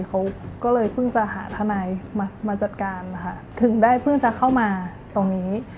เขาก็เลยเพิ่งจะหาทนายมาจัดการนะคะถึงได้เพิ่งจะเข้ามาตรงนี้